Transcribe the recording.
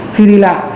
khi đi lại